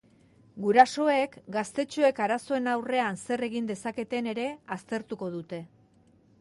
Gurasoek gaztetxoek arazoen aurrean zer egin dezaketen ere aztertuko dute.